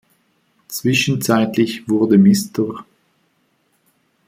Zwischenzeitlich wurde Mr.